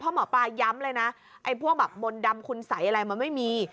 หมอปลาย้ำเลยนะไอ้พวกแบบมนต์ดำคุณสัยอะไรมันไม่มี